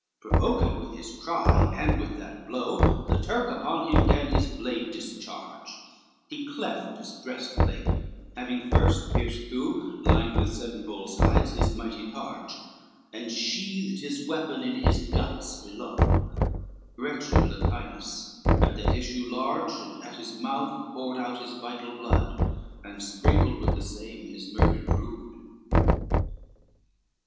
XXXVIII Provoked with his cry, and with that blow, The Turk upon him gan his blade discharge, He cleft his breastplate, having first pierced through, Lined with seven bulls' hides, his mighty targe, And sheathed his weapons in his guts below; Wretched Latinus at that issue large, And at his mouth, poured out his vital blood, And sprinkled with the same his murdered brood.